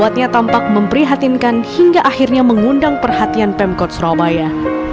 membuatnya tampak memprihatinkan hingga akhirnya mengundang perhatian pemkot surabaya